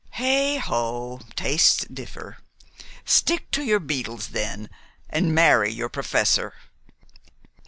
"Heigho! Tastes differ. Stick to your beetles, then, and marry your professor."